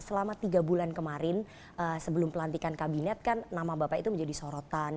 selama tiga bulan kemarin sebelum pelantikan kabinet kan nama bapak itu menjadi sorotan